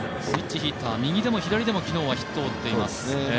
スイッチヒッター、右でも左でも昨日はヒットを撃ってます。